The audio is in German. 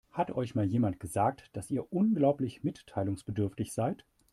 Hat euch mal jemand gesagt, dass ihr unglaublich mitteilungsbedürftig seid?